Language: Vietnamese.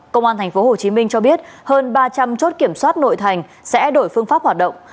công an tp hcm cho biết hơn ba trăm linh chốt kiểm soát nội thành sẽ đổi phương pháp hoạt động